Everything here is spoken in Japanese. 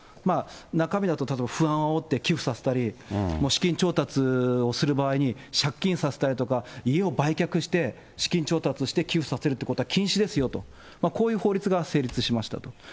中身だと、例えば不安をあおって寄付させたり、資金調達をする場合に借金させたりとか、家を売却して資金調達して寄付させるということは禁止ですよと、こういう法律が成立しましたと。